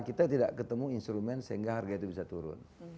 kita tidak ketemu instrumen sehingga harga itu bisa turun